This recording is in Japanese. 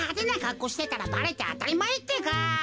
こうしてたらばれてあたりまえってか。